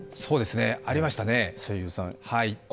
ありましたね。